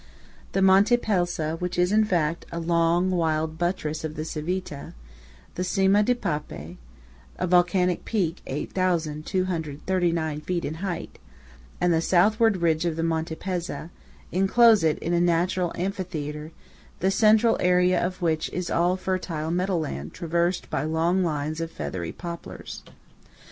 The Monte Pelsa, which is, in fact, a long, wild buttress of the Civita; the Cima di Pape, a volcanic peak 8,239 feet in height; and the southward ridge of Monte Pezza, enclose it in a natural amphitheatre the central area of which is all fertile meadow land traversed by long lines of feathery poplars.